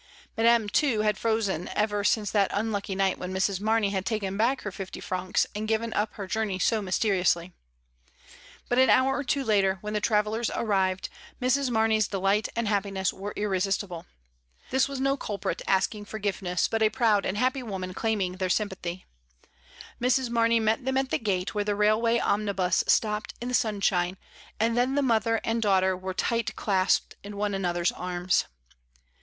Madame, too, had frozen ever since that unlucky night when Mrs. Mamey had taken back her fifty francs and given up her journey so mysteriously. But an hour or two later, when the travellers arrived, Mrs. Marney's delight and happiness were irresistible. This was no culprit asking forgiveness, but a proud and happy woman claiming their sym pathy. Mrs. Mamey met them at the gate where the railway omnibus stopped in the sunshine, and then the mother and daughter were tight clasped in one another's arms.